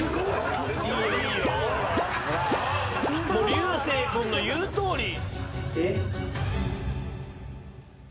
流星君の言うとおり！